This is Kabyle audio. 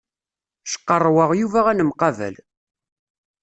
Cqarrweɣ Yuba ad nemqabal.